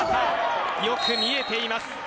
よく見えています。